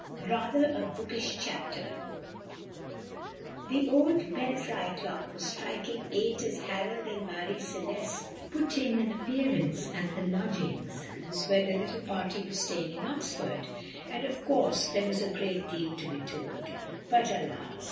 RATHER A BOOKISH CHAPTER. [Illustration: 9188] The old belfry clock was striking eight as Harold and Marie Celeste put in an appearance at the lodgings where the little party were staying in Oxford, and of course there was a great deal to be told; but alas!